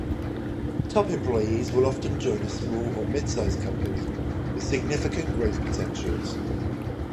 Top employees will often join a small or mid-size company, with significant growth potentials.